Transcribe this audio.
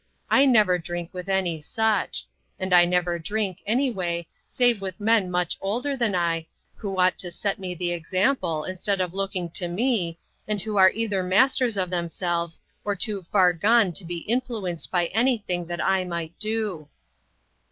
I never drink with any such ; and I never drink, any way, save with men much older than I, who ought to set me the example instead of looking to me, and who are either masters of them selves, or too far gone to be influenced by anything that I might do."